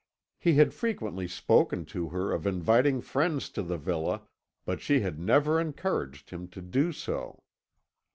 He had frequently spoken to her of inviting friends to the villa, but she had never encouraged him to do so.